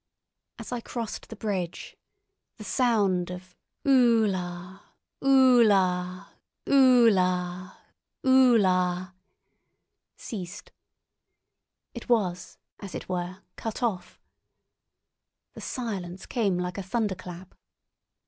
As I crossed the bridge, the sound of "Ulla, ulla, ulla, ulla," ceased. It was, as it were, cut off. The silence came like a thunderclap.